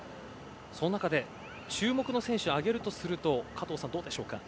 その中で注目の選手を挙げるとすると加藤さん、どうでしょうか？